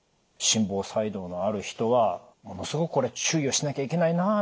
心房細動のある人は「ものすごくこれ注意をしなきゃいけないな。